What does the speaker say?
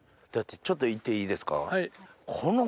ちょっと行っていいですか？